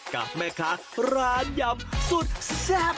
กับแม่ค้าร้านยำสุดแซ่บ